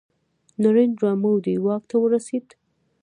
نریندرا مودي واک ته ورسید.